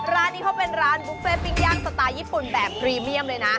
ร้านนี้เขาเป็นร้านบุฟเฟ่ปิ้งย่างสไตล์ญี่ปุ่นแบบพรีเมียมเลยนะ